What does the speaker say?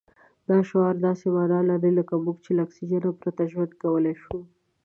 دا شعار داسې مانا لري لکه موږ چې له اکسجن پرته ژوند کولای شو.